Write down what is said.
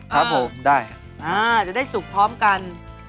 ครับผมได้ครับจะได้สุกพร้อมกัน